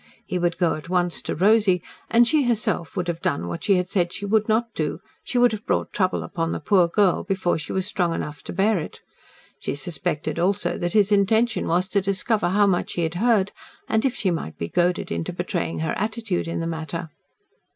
He would go at once to Rosy, and she herself would have done what she had said she would not do she would have brought trouble upon the poor girl before she was strong enough to bear it. She suspected also that his intention was to discover how much she had heard, and if she might be goaded into betraying her attitude in the matter.